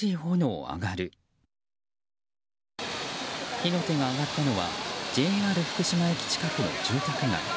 火の手が上がったのはＪＲ福島駅近くの住宅街。